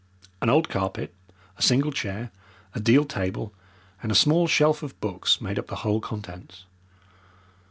An old carpet, a single chair, a deal table, and a small shelf of books made up the whole contents.